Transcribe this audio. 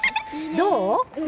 どう？